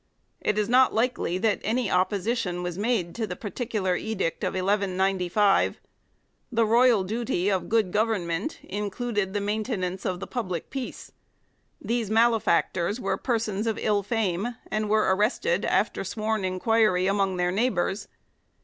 It is not likely that any opposition was made to the particular edict of 1 195 ; the royal duty of good government included the maintenance of the pub lic peace. These malefactors were persons of ill fame and were arrested after sworn inquiry among their neighbours.